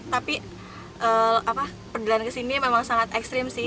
tapi perjalanan ke sini memang sangat ekstrim sih